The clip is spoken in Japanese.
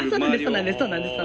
そうなんです。